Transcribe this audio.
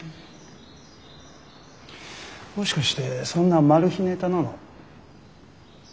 もしかしてそんなマル秘ネタなの？